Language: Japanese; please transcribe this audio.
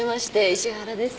石原です。